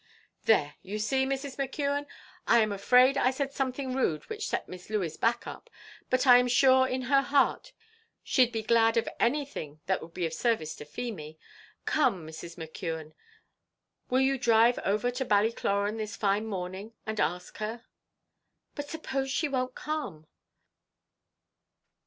"There, you see, Mrs. McKeon; I am afraid I said something rude which set Miss Louey's back up, but I am sure in her heart she'd be glad of anything that would be of service to Feemy. Come, Mrs. McKeon, will you drive over to Ballycloran this fine morning, and ask her?" "But suppose she won't come?"